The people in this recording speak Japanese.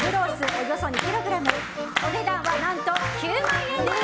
およそ２ｋｇお値段、何と９万円です！